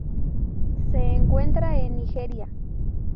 Se encuentra en Nigeria.